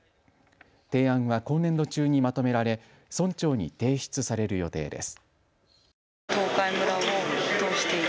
提案は今年度中にまとめられ村長に提出される予定です。